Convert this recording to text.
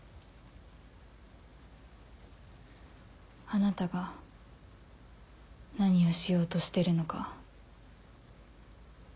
あなたが何をしようとしてるのか。